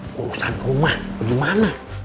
urusan rumah bagaimana